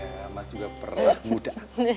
iya mas juga pernah muda